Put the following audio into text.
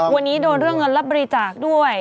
วันนี้โดนเรื่องเงินรับบริจาคด้วย